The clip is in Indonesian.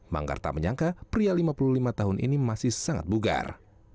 manggar tak menyangka pria lima puluh lima tahun ini masih sangat bugar